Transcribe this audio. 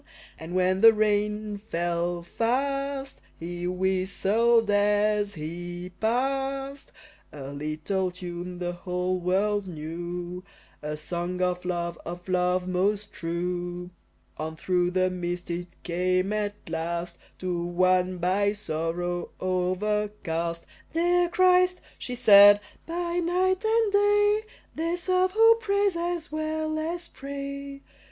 And when the rain fell fast, he whistled as he passed A little tune the whole world knew, A song of love, of love most true; On through the mist it came at last To one by sorrow overcast, "Dear Christ," she said, "by night and day They serve who praise, as well as pray."